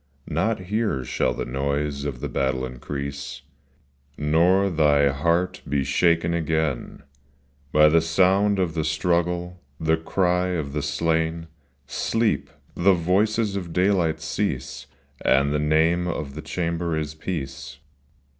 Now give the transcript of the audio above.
Not here shall the noise of the battle increase Nor thy heart be shaken again By the sound of the struggle, the cry of the slain: — Sleep !— the voices of daylight cease, And the name of the chamber is peace.